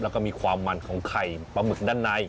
แล้วก็มีความมันของไข่ปลาหมึกด้านใน